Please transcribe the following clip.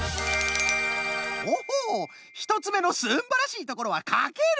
オホ１つめのすんばらしいところは「かける」か。